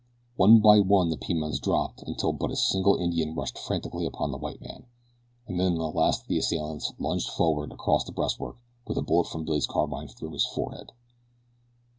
One by one the Pimans dropped until but a single Indian rushed frantically upon the white man, and then the last of the assailants lunged forward across the breastwork with a bullet from Billy's carbine through his forehead.